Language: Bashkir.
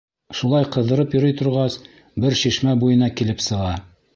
Шулай ҡыҙырып йөрөй торғас, бер шишмә буйына килеп сыға.